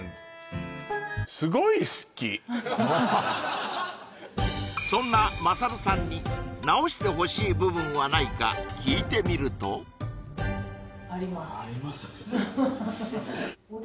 私そんなまさるさんに直してほしい部分はないか聞いてみるとはーっ！